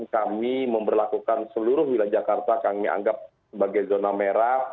kami memperlakukan seluruh wilayah jakarta kami anggap sebagai zona merah